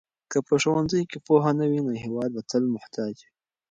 که په ښوونځیو کې پوهه نه وي نو هېواد به تل محتاج وي.